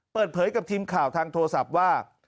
เปิดเผยกับทีมข่าวทางโทรศัพท์ว่า